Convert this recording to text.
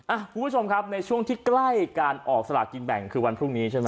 คุณผู้ชมครับในช่วงที่ใกล้การออกสลากินแบ่งคือวันพรุ่งนี้ใช่ไหม